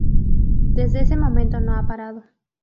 Desde ese momento no ha parado.